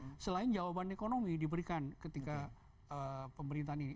ada yang lain jawaban ekonomi diberikan ketika pemerintahan ini